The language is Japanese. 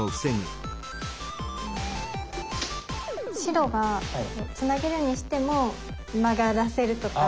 白がつなげるにしても曲がらせるとか。